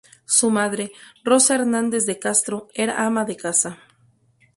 Su madre, Rosa Hernández de Castro, era ama de casa.